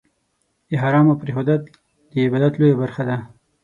د حرامو پرېښودل، د عبادت لویه برخه ده.